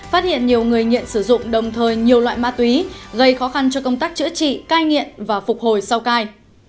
phát hiện nhiều người nghiện sử dụng đồng thời nhiều loại ma túy gây khó khăn cho công tác chữa trị cai nghiện và phục hồi sau cai